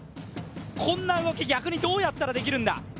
こんな動き、逆にどうやったらできるんだ。